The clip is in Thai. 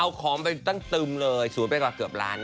เอาของไปตั้งตึมเลยศูนย์ไปกว่าเกือบล้าน